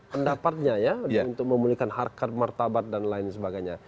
pendapatnya ya untuk memiliki harta martabat dan lain sebagainya